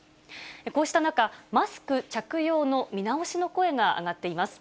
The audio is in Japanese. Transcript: こうした中、マスク着用の見直しの声が上がっています。